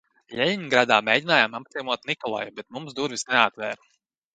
Ļeņingradā mēģinājām apciemot Nikolaju, bet mums durvis neatvēra.